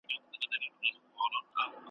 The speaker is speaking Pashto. خدایه ستا پر ښکلې مځکه له مقامه ګیله من یم `